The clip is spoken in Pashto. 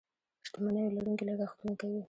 شتمنيو لرونکي لګښتونه کوي.